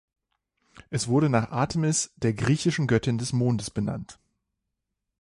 Es wurde nach Artemis, der griechischen Göttin des Mondes, benannt.